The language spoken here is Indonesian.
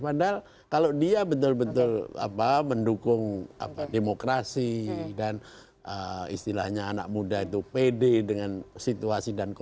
padahal kalau dia betul betul mendukung demokrasi dan istilahnya anak muda itu pede dengan situasi dan kondisi